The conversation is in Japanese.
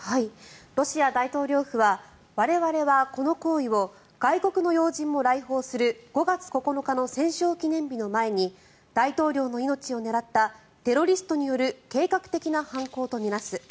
ロシア大統領府は我々はこの行為を外国の要人も来訪する５月９日の戦勝記念日の前に大統領の命を狙ったテロリストによる計画的な犯行と見なす。